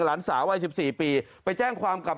หลานสาววัย๑๔ปีไปแจ้งความกับ